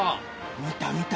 見た見た。